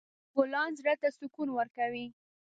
ګلان زړه ته سکون ورکوي.